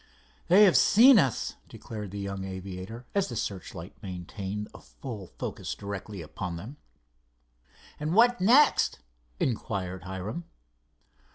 "They have seen us," declared the young aviator, as the searchlight maintained a full focus directly upon them. "And what next?" inquired Hiram.